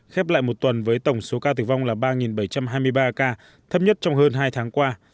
khép lại một tuần với tổng số ca tử vong là ba bảy trăm hai mươi ba ca thấp nhất trong hơn hai tháng qua